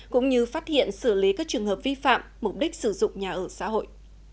cũng như phát hiện xử lý các trường hợp vi phạm mục đích sử dụng nhà ở xã hội